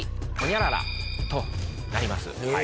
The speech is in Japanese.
となります。